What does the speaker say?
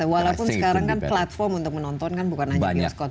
walaupun sekarang kan platform untuk menonton bukan hanya pius scott